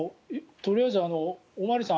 とりあえずお巡りさん